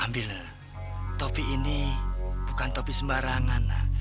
ambillah topi ini bukan topi sembarangan nak